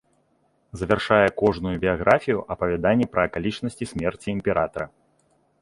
Завяршае кожную біяграфію апавяданне пра акалічнасці смерці імператара.